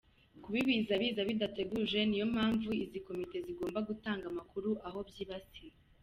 Kuba Ibiza biza bidateguje niyo mpamvu izi komite zigomba gutanga amakuru aho byibasiye.